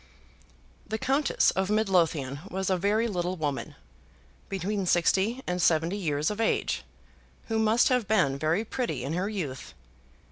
The Countess of Midlothian was a very little woman, between sixty and seventy years of age, who must have been very pretty in her youth.